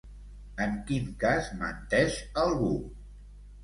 En quin cas menteix algú?